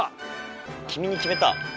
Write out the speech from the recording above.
君に決めた！